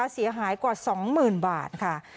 เสียหายกว่า๒๐๐๐บาทค่ะ